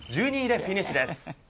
１２位でフィニッシュです。